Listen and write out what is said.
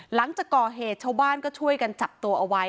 หลังจากก่อเหตุชาวบ้านก็ช่วยกันจับตัวเอาไว้